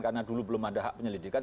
karena dulu belum ada hak penyelidikan